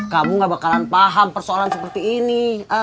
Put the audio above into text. kamu gak bakalan paham persoalan seperti ini